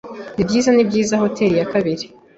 Nibyiza nibyiza hoteri ya kabiri.